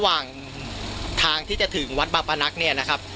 ต้องผ่านทางข้ามรถไฟขึ้นไปนะครับ